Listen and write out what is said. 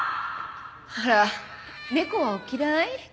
あら猫はお嫌い？